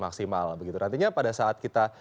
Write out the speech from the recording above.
maksimal begitu nantinya pada saat kita